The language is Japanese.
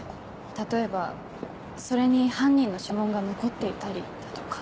例えばそれに犯人の指紋が残っていたりだとか。